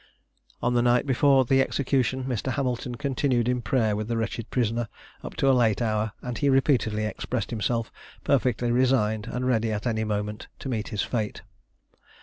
On the night before the execution, Mr. Hamilton continued in prayer with the wretched prisoner up to a late hour, and he repeatedly expressed himself perfectly resigned and ready at any moment to meet his fate.